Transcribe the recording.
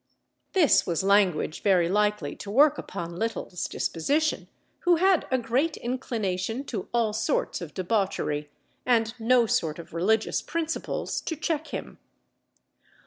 This was language very likely to work upon Little's disposition, who had a great inclination to all sorts of debauchery, and no sort of religious principles to check him.